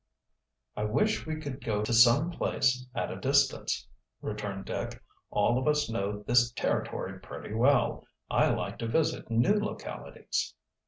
"I wish we could go to some place at a distance," returned Dick. "All of us know this territory pretty well. I like to visit new localities."